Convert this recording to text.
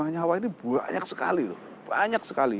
satu ratus dua puluh lima nyawa ini banyak sekali loh banyak sekali